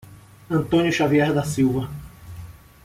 Antônio Xavier da Silva